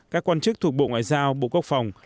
các quan chức thuộc bộ ngoại giao bộ quốc phòng